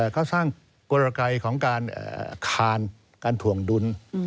ก็สร้างกลไกของการคานการถ่วงดุล